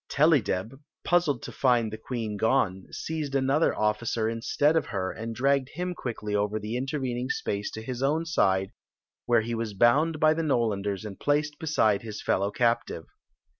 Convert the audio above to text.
Tellydeb, puzzled to find the queen gone, seized another officer instead of her and dn^;ged htm quickly over the intervening space to his own side, where he was bound by the N ©landers and placed beside his fellow captive.